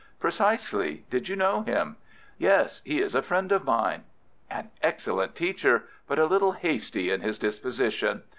"Precisely. Did you know him?" "Yes; he is a friend of mine." "An excellent teacher, but a little hasty in his disposition.